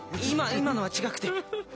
今のは違くて。